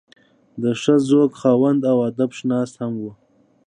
د ښۀ ذوق خاوند او ادب شناس هم وو